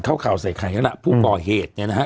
เข้าข่าวใส่ใครแล้วน่ะผู้ก่อเหตุเนี้ยนะฮะ